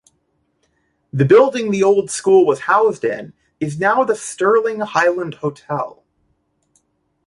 The building the old school was housed in is now the Stirling Highland Hotel.